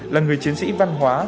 là người chiến sĩ văn hóa